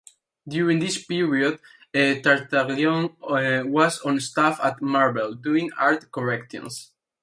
During this period, Tartaglione was on staff at Marvel, doing art corrections.